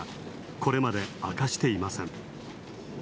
これまで明かしていません。